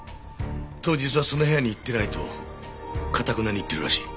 当日はその部屋に行ってないと頑なに言っているらしい。